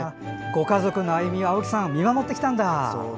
ご家族の歩みを青木さんが見守ってきたんだ。